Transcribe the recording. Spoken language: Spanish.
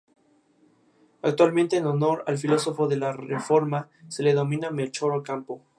Actualmente, en honor al filósofo de la Reforma, se le denomina Melchor Ocampo.